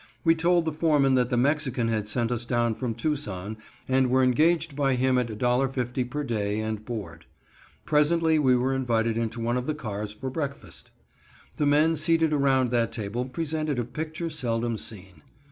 We told the foreman that the Mexican had sent us down from Tucson, and were engaged by him at $1.50 per day and board. Presently we were invited into one of the cars for breakfast. The men seated around that table presented a picture seldom seen.